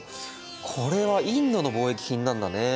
これはインドの貿易品なんだね。